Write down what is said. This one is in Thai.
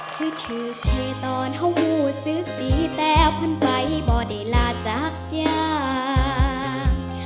คือถือเทตอนเฮ้าหู้สึกดีแต่พันไปบ่ได้ลาจักยัง